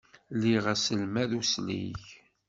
Liɣ aselmad uslig.